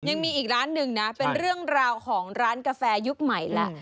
ยังมีอีกร้านหนึ่งนะเป็นเรื่องราวของร้านกาแฟยุคใหม่แล้ว